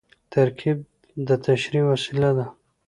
ترکیب د تشریح وسیله ده.